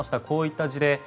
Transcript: こういった事例